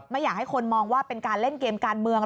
ไม่อยากให้คนมองว่าเป็นการเล่นเกมการเมือง